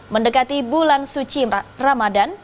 mendekati bulan suci ramadan